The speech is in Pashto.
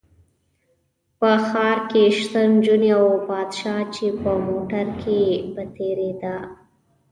په ښار کې شته نجونې او پادشاه چې په موټر کې به تېرېده.